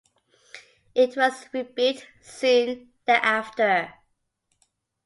It was rebuilt soon thereafter.